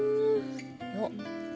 おっ！